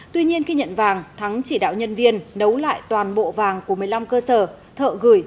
tuy nhiên khi nhận vàng thắng chỉ đạo nhân viên nấu lại toàn bộ vàng của một mươi năm cơ sở thợ gửi